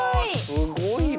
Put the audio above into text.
すごいね。